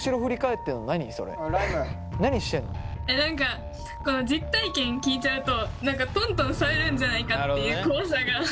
えっ何か実体験聞いちゃうとトントンされるんじゃないかっていう怖さが。